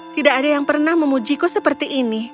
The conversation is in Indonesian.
tidak ada yang pernah memuji kau seperti ini